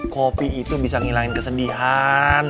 kopi itu bisa ngilangin kesedihan